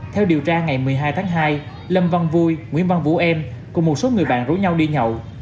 theo điều tra ngày một mươi hai tháng hai lâm văn vui nguyễn văn vũ em cùng một số người bạn rủ nhau đi nhậu